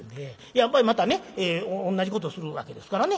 やっぱりまたね同じことをするわけですからね。